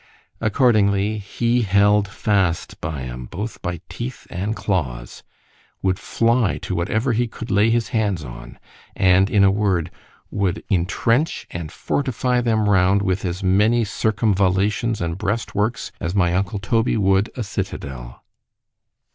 —Accordingly he held fast by 'em, both by teeth and claws—would fly to whatever he could lay his hands on—and, in a word, would intrench and fortify them round with as many circumvallations and breast works, as my uncle Toby would a citadel.